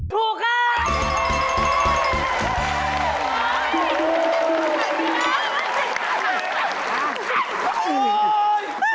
ถูกไหม